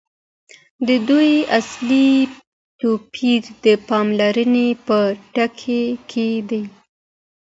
د دوی اصلي توپیر د پاملرني په ټکي کي دی.